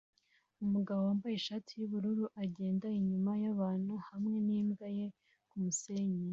Umugabo wambaye ishati yubururu agenda inyuma yabantu hamwe nimbwa ye kumusenyi